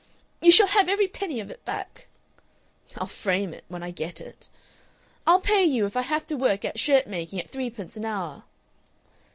"You shall have every penny of it back." "I'll frame it when I get it." "I'll pay you if I have to work at shirt making at threepence an hour."